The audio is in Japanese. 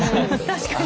確かに。